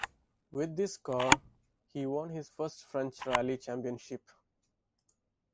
With this car, he won his first French Rallye Championship.